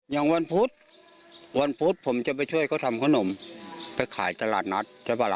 อย่างวันพุธวันพุธผมจะไปช่วยเขาทำขนมไปขายตลาดนัดใช่ป่ะล่ะ